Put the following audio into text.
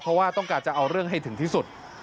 เพราะว่าต้องการจะเอาเรื่องให้ถึงที่สุด